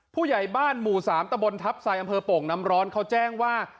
ผู้ใหญ่บ้านหมู่๓ตะบนทัพทรายอำเภอโป่งน้ำร้อนเขาแจ้งว่า